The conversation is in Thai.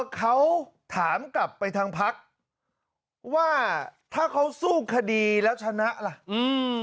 เขาถามกลับไปทางพักว่าถ้าเขาสู้คดีแล้วชนะล่ะอืม